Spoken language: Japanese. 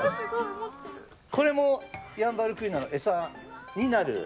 これもヤンバルクイナの餌になる。